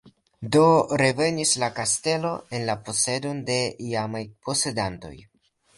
Do revenis la kastelo en la posedon de la iamaj posedantoj.